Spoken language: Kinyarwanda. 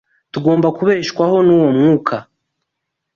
tugomba kubeshwaho n’uwo Mwuka